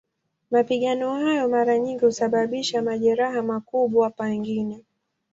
Mapigano hayo mara nyingi husababisha majeraha, makubwa pengine.